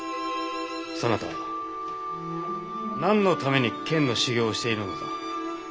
そなた何のために剣の修行をしているのだ？